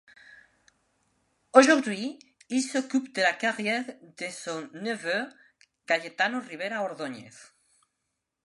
Aujourd'hui, il s'occupe de la carrière de son neveu Cayetano Rivera Ordóñez.